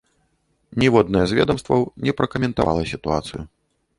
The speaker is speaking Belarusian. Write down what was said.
Ніводнае з ведамстваў не пракаментавала сітуацыю.